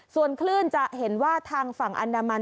ส่วนคลื่นจะเห็นว่าทางฝั่งอันดามัน